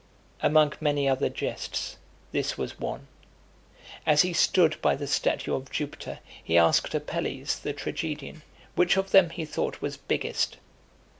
(275) XXXIII. Among many other jests, this was one: As he stood by the statue of Jupiter, he asked Apelles, the tragedian, which of them he thought was biggest?